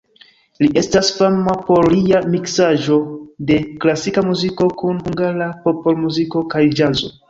Li estas fama por lia miksaĵo de klasika muziko kun hungara popolmuziko kaj ĵazo.